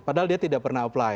padahal dia tidak pernah apply